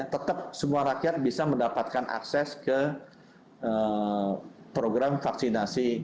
tetap semua rakyat bisa mendapatkan akses ke program vaksinasi